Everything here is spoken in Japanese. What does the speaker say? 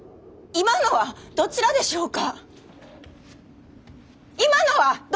今のはどちらでしょうか！